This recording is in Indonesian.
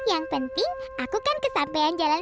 yang penting aku kan kesampean jalan